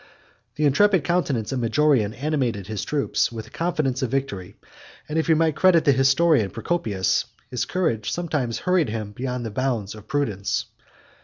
49 The intrepid countenance of Majorian animated his troops with a confidence of victory; and, if we might credit the historian Procopius, his courage sometimes hurried him beyond the bounds of prudence.